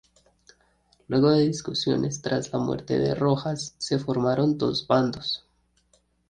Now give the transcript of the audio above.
Luego de discusiones tras la muerte de Rojas, se formaron dos bandos.